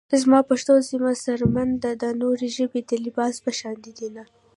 زما پښتو زما څرمن ده - دا نورې ژبې د لباس په شاندې دينه